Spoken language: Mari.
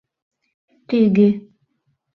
Тӱгӧ!